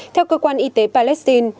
theo cơ quan y tế palestine